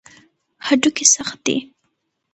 هډوکي سخت دي.